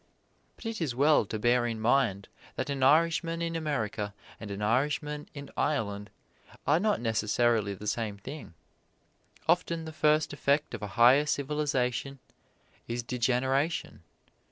But it is well to bear in mind that an Irishman in America and an Irishman in Ireland are not necessarily the same thing. Often the first effect of a higher civilization is degeneration.